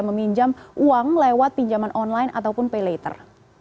meminjam uang lewat pinjaman online ataupun pay later